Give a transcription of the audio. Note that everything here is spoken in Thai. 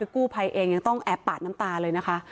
กู้ภัยเองยังต้องแอบปาดน้ำตาเลยนะคะ